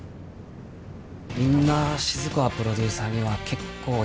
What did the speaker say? みんな静川プロデューサーには結構やられてまして。